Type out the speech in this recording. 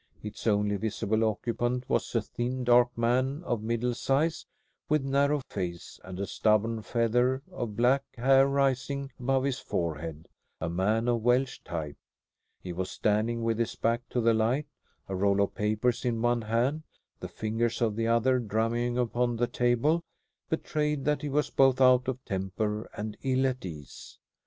Its only visible occupant was a thin, dark man of middle size, with a narrow face, and a stubborn feather of black hair rising above his forehead; a man of Welsh type. He was standing with his back to the light, a roll of papers in one hand. The fingers of the other, drumming upon the table, betrayed that he was both out of temper and ill at ease.